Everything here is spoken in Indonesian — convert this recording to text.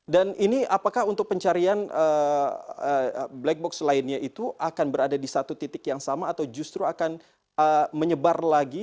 dan ini apakah untuk pencarian black box lainnya itu akan berada di satu titik yang sama atau justru akan menyebar lagi